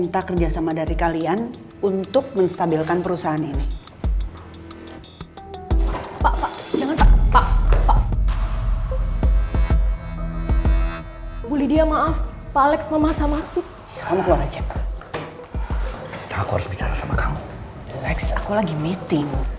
tapi lo udah pergi put